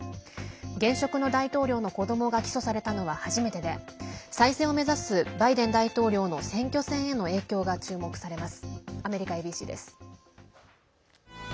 現職の大統領の子どもが起訴されたのは初めてで再選を目指すバイデン大統領の選挙戦への影響が注目されます。